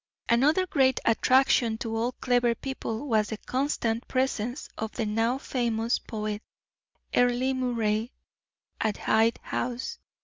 Another great attraction to all clever people was the constant presence of the now famous poet, Earle Moray, at Hyde House.